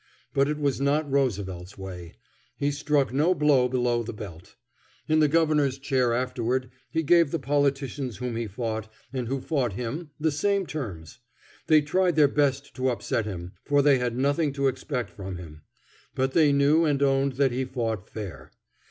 But it was not Roosevelt's way; he struck no blow below the belt. In the Governor's chair afterward he gave the politicians whom he fought, and who fought him, the same terms. They tried their best to upset him, for they had nothing to expect from him. But they knew and owned that he fought fair.